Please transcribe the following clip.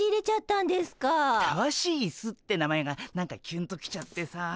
たわしイスって名前が何かキュンと来ちゃってさ。